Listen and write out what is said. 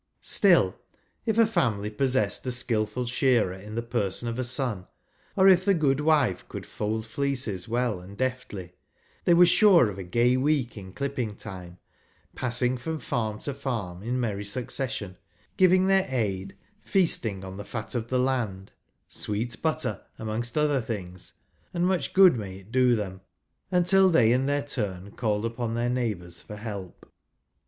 Still, if a family possessed a skilful shearer in the person of a son, or if j the good wife could fold fleeces well and 1 deftly, they were sure of a gay week in 1 clipping time, passing from farm to farm in j merry succession, giving their aid, feasting | on the fat of the land ("sweet butter" ^ amongst other things, and much good may it do them !) until they in their turn called upon their neighbours for help.